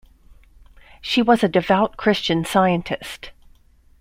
She was a devout Christian Scientist.